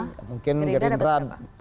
gerindra ada berapa